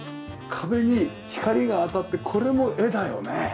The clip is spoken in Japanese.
壁に光が当たってこれも絵だよね。